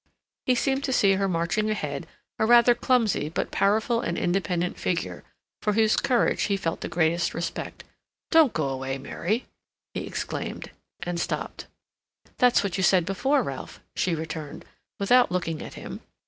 He seemed to see her marching ahead, a rather clumsy but powerful and independent figure, for whose courage he felt the greatest respect. "Don't go away, Mary!" he exclaimed, and stopped. "That's what you said before, Ralph," she returned, without looking at him.